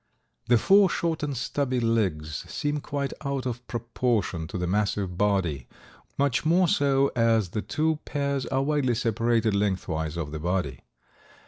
The four short and stubby legs seem quite out of proportion to the massive body, much more so as the two pairs are widely separated lengthwise of the body.